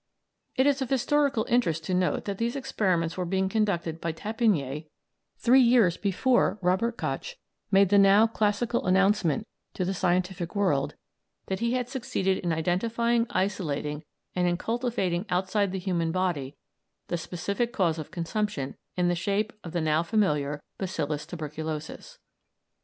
It is of historical interest to note that these experiments were being conducted by Tappeiner three years before Robert Koch made the now classical announcement to the scientific world that he had succeeded in identifying, isolating, and in cultivating outside the human body the specific cause of consumption in the shape of the now familiar bacillus tuberculosis.